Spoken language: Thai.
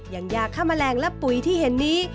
ยังยากข้ามแมลงและปุ๋ยที่เห็นนี้